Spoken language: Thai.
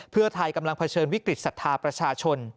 เพื่อไทยกำลังเผชิญวิกฤตศรัทธาประชาชน